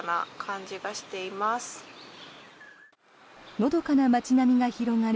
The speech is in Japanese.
のどかな街並みが広がる